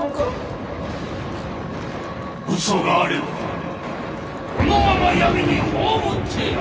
嘘があればこのまま闇に葬ってやる！